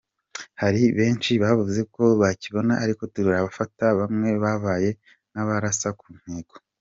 Hari benshi bavuze uko bakibona ariko turafata bamwe babaye nk’abarasa ku ntego.